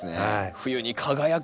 冬に輝く。